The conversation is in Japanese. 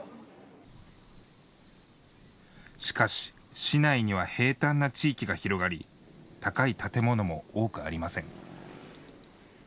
しかし、市内には平たんな地域が広がり高い建物も多くありません。